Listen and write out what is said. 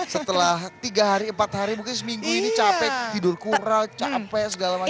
setelah tiga hari empat hari mungkin seminggu ini capek tidur kurang capek segala macam